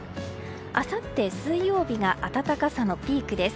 あさって水曜日が暖かさのピークです。